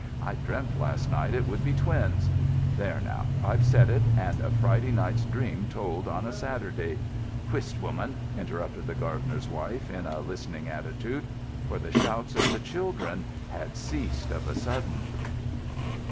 I dreamt last night it would be twins. There now! I've said it, and a Friday night's dream told on a Saturday——" "Wh'st, woman!" interrupted the gardener's wife, in a listening attitude; for the shouts of the children had ceased of a sudden.